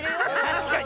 たしかに！